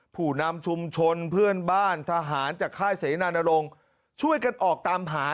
ผู้นำชุมชนเพื่อนบ้านทหารจากค่ายเสนานรงค์ช่วยกันออกตามหา